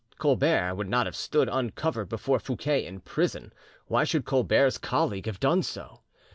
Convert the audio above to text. Colbert would not have stood uncovered before Fouquet in prison. Why should Colbert's colleague have done so?